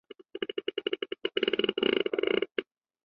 恒基兆业地产主席李兆基同时是公司主席。